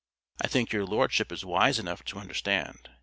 "I think your lordship is wise enough to understand.